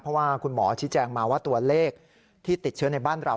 เพราะว่าคุณหมอชี้แจงมาว่าตัวเลขที่ติดเชื้อในบ้านเรา